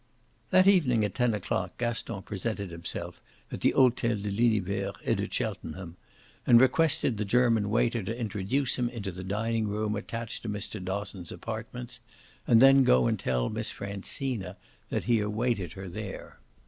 That evening at ten o'clock Gaston presented himself at the Hotel de l'Univers et de Cheltenham and requested the German waiter to introduce him into the dining room attached to Mr. Dosson's apartments and then go and tell Miss Francina he awaited her there.